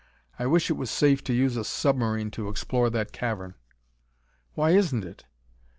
I wish it was safe to use a submarine to explore that cavern." "Why isn't it?"